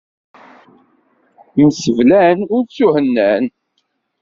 Mseblan ur ttuhennan.